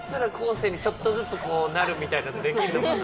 生にちょっとずつこうなるみたいのってできんのかな？